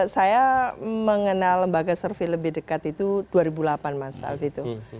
saya mengenal lembaga survei lebih dekat itu dua ribu delapan mas alvito